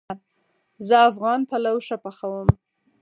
زه افغان پلو ښه پخوم